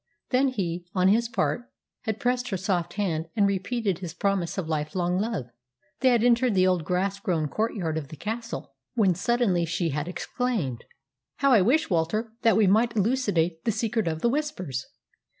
Then he, on his part, had pressed her soft hand and repeated his promise of lifelong love. They had entered the old grass grown courtyard of the castle, when suddenly she exclaimed, "How I wish, Walter, that we might elucidate the secret of the Whispers!"